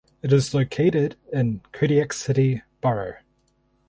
It is located in Kodiak City Borough.